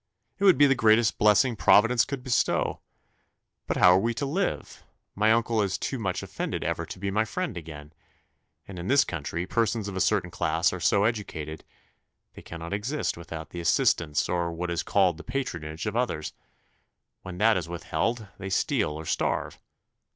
It would be the greatest blessing Providence could bestow. But how are we to live? My uncle is too much offended ever to be my friend again; and in this country, persons of a certain class are so educated, they cannot exist without the assistance, or what is called the patronage, of others: when that is withheld, they steal or starve.